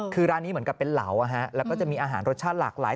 คือร้านนี้เหมือนกับเป็นเหลาแล้วก็จะมีอาหารรสชาติหลากหลาย